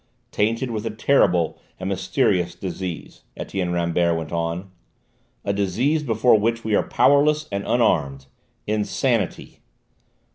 "Tainted with a terrible and mysterious disease," Etienne Rambert went on: "a disease before which we are powerless and unarmed insanity!"